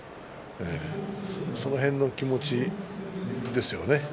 その辺の気持ちですよね。